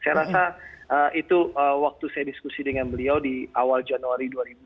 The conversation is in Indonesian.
saya rasa itu waktu saya diskusi dengan beliau di awal januari